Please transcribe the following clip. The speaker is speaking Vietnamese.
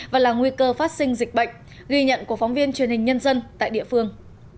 và là nguy cơ phát sinh dịch bệnh ghi nhận của phóng viên truyền hình nhân dân tại địa phương